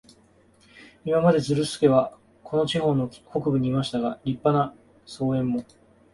今まで、ズルスケはこの地方の北部にいましたが、立派な荘園も、